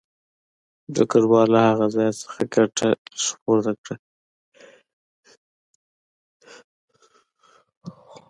ډګروال له هغه څخه کمپله لږ ګوښه کړه